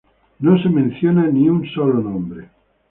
Ni un solo nombre es mencionado.